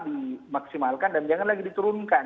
dimaksimalkan dan jangan lagi diturunkan